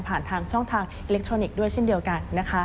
ทางช่องทางอิเล็กทรอนิกส์ด้วยเช่นเดียวกันนะคะ